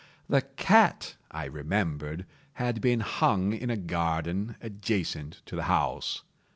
The cat, I remembered, had been hung in a garden adjacent to the house.